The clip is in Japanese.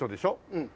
うん。